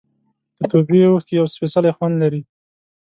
د توبې اوښکې یو سپېڅلی خوند لري.